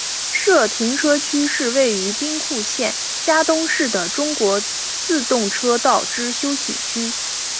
社停车区是位于兵库县加东市的中国自动车道之休息区。